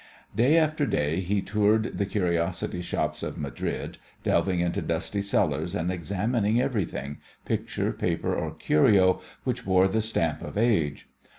Day after day he toured the curiosity shops of Madrid, delving into dusty cellars and examining everything, picture, paper, or curio, which bore the stamp of age.